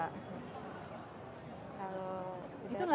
itu gak akan mempengaruhi rasa ya